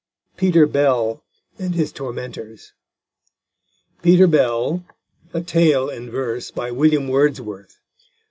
PETER BELL AND HIS TORMENTORS PETER BELL: _A Tale in Verse, by William Wordsworth.